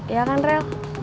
iya kan rel